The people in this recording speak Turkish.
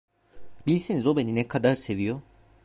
Bilseniz o beni ne kadar seviyor.